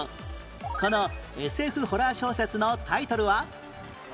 この ＳＦ ホラー小説のタイトルは？